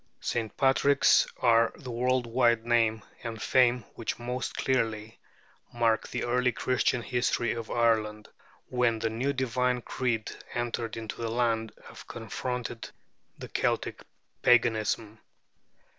St. Patrick's are the world wide name and fame which most clearly mark the early Christian history of Ireland, when the new divine creed entered into the land and confronted the Celtic paganism.